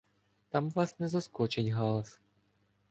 Там вас не заскочить галас